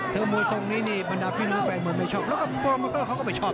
ถ้ามวยทรงนี้มันดับพี่หนูแฟนมือไม่ชอบแล้วก็โปรโมเตอร์เขาก็ไม่ชอบ